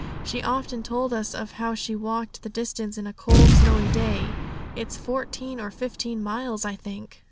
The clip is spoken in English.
She often told us of how she walked the distance on a cold, snowy day; it's fourteen or fifteen miles, I think.'